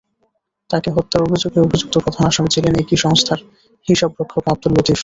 তাঁকে হত্যার অভিযোগে অভিযুক্ত প্রধান আসামি ছিলেন একই সংস্থার হিসাবরক্ষক আবদুল লতিফ।